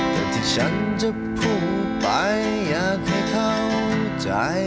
แต่ที่ฉันจะพุ่งไปอยากให้เข้าใจ